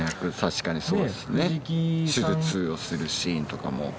確かにそうですね手術をするシーンとかも。